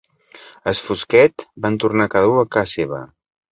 As fosquet van tornar cada u a ca seva